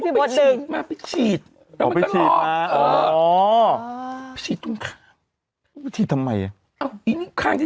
พี่อยากไปทำกับมัวดัม